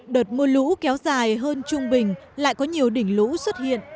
đợt mưa lũ kéo dài hơn trung bình lại có nhiều đỉnh lũ xuất hiện